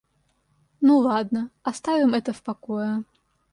Ну ладно, оставим это в покое.